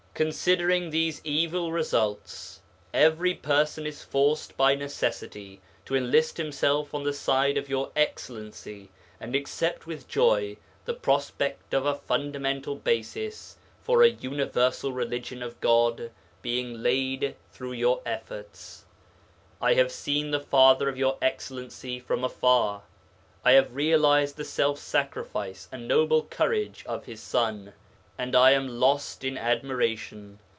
'Considering these evil results, every person is forced by necessity to enlist himself on the side of Your Excellency and accept with joy the prospect of a fundamental basis for a universal religion of God being laid through your efforts. 'I have seen the father of Your Excellency from afar. I have realized the self sacrifice and noble courage of his son, and I am lost in admiration.